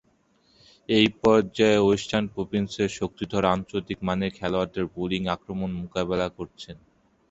এ পর্যায়ে ওয়েস্টার্ন প্রভিন্সের শক্তিধর আন্তর্জাতিক মানের খেলোয়াড়দের বোলিং আক্রমণ মোকাবেলা করেছিলেন।